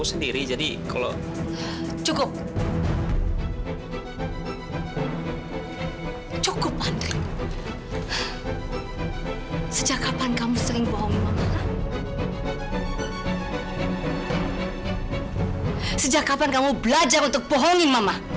sejak kapan kamu belajar untuk bohongin mama